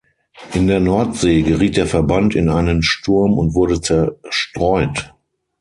In der Nordsee geriet der Verband in einen Sturm und wurde zerstreut.